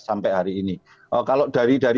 sampai hari ini kalau dari